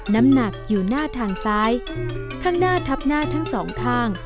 น้ำหนักอยู่หน้าทางซ้ายข้างหน้าทับหน้าทั้งสองข้าง